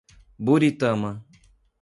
Buritama